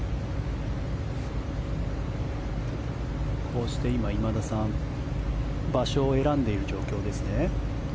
こうして今、今田さん場所を選んでいる状況ですね。